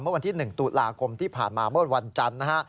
เมื่อวันที่๑ตุลาคมที่ผ่านมาเมื่อวันจันทร์นะฮะ